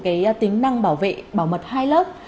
cái tính năng bảo vệ bảo mật hai lớp